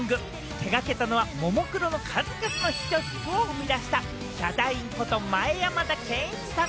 手がけたのは、ももクロの数々のヒット曲を生み出したヒャダインこと前山田健一さん。